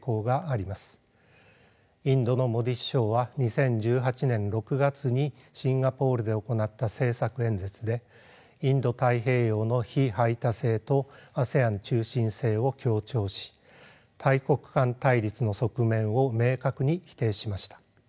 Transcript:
インドのモディ首相は２０１８年６月にシンガポールで行った政策演説でインド太平洋の非排他性とＡＳＥＡＮ中心性を強調し大国間対立の側面を明確に否定しました。